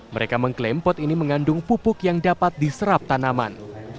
mereka mengklaim pot ini mengandung pupuk yang dapat diserap tanaman